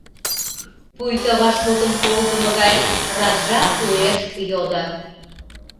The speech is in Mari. — пуйто, вашмутым колдымо гай раджа уэш йодо.